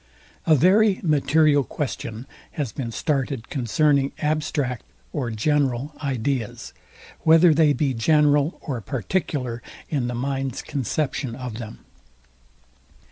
A very material question has been started concerning ABSTRACT or GENERAL ideas, WHETHER THEY BE GENERAL OR PARTICULAR IN THE MIND'S CONCEPTION OF THEM.